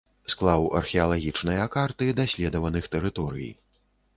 Склаў археалагічныя карты даследаваных тэрыторый.